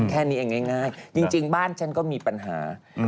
แค่นี้เองง่ายจริงบ้านฉันก็มีปัญหา